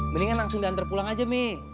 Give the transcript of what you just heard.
mendingan langsung dantar pulang aja mi